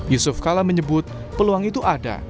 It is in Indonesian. yusuf kala menyebut peluang itu ada